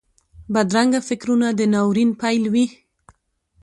بدرنګه فکرونه د ناورین پیل وي